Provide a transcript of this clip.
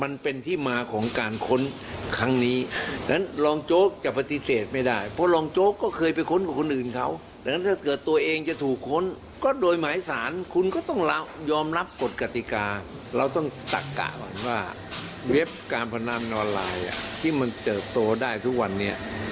หลักการเหมือนว่าเว็บการพนามนวลลายที่มันเจอโตได้ทุกวันนี้